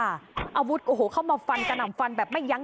อาวุธโอ้โหเข้ามาฟันกระหน่ำฟันแบบไม่ยั้ง